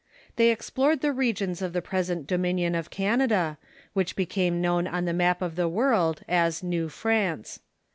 They explored the regions of the pres ent dominion of Canada, which became known on the map of the Avorld as New France.